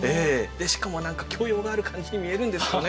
でしかも何か教養がある感じに見えるんですよね